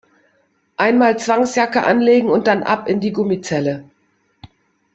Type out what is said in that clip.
Einmal Zwangsjacke anlegen und dann ab in die Gummizelle!